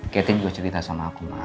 ketia juga cerita sama aku ma